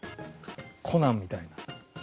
『コナン』みたいな。